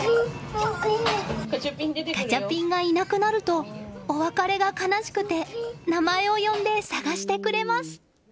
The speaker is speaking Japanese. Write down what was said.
ガチャピンがいなくなるとお別れが悲しくて名前を呼んで探してくれます。